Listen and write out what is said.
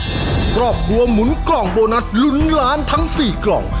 ครอบครัวหมุนกล่องโบนัสลุ้นล้านทั้งสี่กล่อง